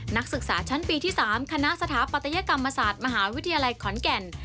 นักศึกษาชั้นปีที่๓คณะสถาปัตยกรรมศาสตร์มหาวิทยาลัยขอนแก่น